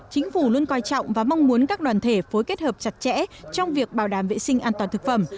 chính phủ luôn coi trọng và mong muốn các đoàn thể phối kết hợp chặt chẽ trong việc bảo đảm vệ sinh an toàn thực phẩm